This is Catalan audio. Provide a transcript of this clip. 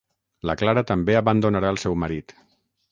La Clara també abandonarà el seu marit.